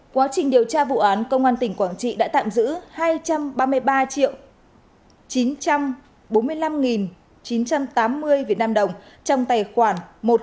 quá trình điều tra vụ án công an tỉnh quảng trị đã tạm giữ hai trăm ba mươi ba chín trăm bốn mươi năm chín trăm tám mươi vnđ trong tài khoản một trăm linh hai một trăm linh bốn